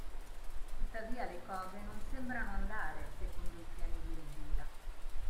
Tuttavia le cose non sembrano andare secondo i piani di Elvira.